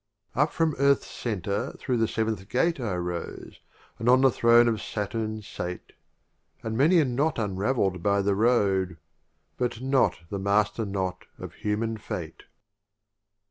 Up from Earth's Centre through the Seventh Gate I rose, and on the Throne of Saturn sate, And many a Knot unraveFd by the Road; But not the Master knot of Human Fate.